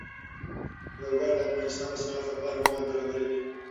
لوگر د افغانستان د صنعت لپاره مواد برابروي.